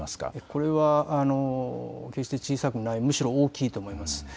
これは、決して小さくない、むしろ大きいと思います。